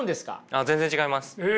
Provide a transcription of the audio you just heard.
全然違います。